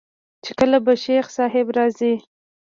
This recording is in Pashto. چې کله به شيخ صاحب راځي.